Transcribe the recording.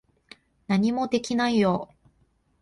何もできないよ。